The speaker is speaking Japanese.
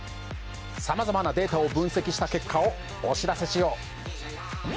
さまざまなデータを分析した結果をお知らせしよう。